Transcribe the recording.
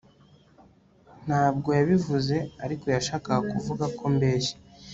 Ntabwo yabivuze ariko yashakaga kuvuga ko mbeshya